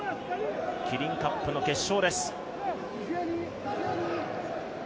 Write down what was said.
キリンカップの決勝です。